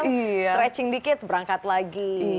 stretching dikit berangkat lagi